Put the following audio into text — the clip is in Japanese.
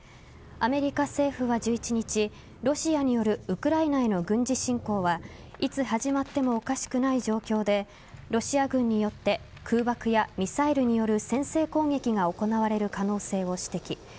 アメリカ政府は１１日ロシアによるウクライナへの軍事侵攻はいつ始まってもおかしくない状況でロシア軍によって空爆やミサイルによる先制攻撃が行われる可能性を指摘。